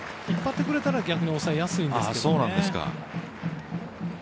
引っ張ってくれたら逆に抑えやすいんですけどね。